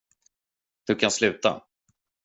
Du kan sluta.